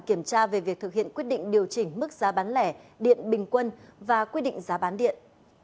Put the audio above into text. kiểm tra về việc thực hiện quyết định điều chỉnh mức giá bán lẻ điện bình quân và quy định giá bán điện